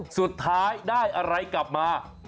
สุดท้ายได้อะไรกลับมา